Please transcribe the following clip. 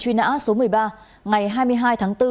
truy nã số một mươi ba ngày hai mươi hai tháng bốn